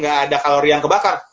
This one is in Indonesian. gak ada kalori yang kebakar